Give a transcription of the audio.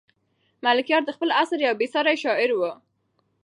ملکیار د خپل عصر یو بې ساری شاعر و.